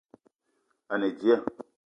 A ne dia